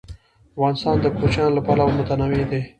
افغانستان د کوچیان له پلوه متنوع دی.